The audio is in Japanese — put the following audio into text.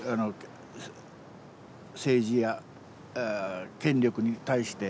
政治や権力に対して。